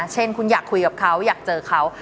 เช่นคุณอยากคุยกับเขาอยากเจอเขา